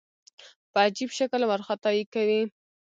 په عجیب شکل وارخطايي کوي.